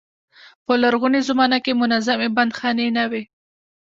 په لرغونې زمانه کې منظمې بندیخانې نه وې.